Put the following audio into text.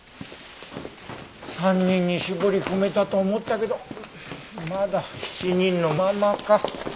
３人に絞り込めたと思ったけどまだ７人のままか。